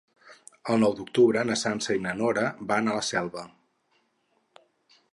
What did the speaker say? El nou d'octubre na Sança i na Nora van a Selva.